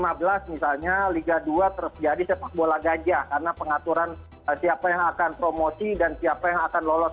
misalnya liga dua terus jadi sepak bola gajah karena pengaturan siapa yang akan promosi dan siapa yang akan lolos